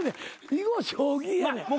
囲碁将棋やねん。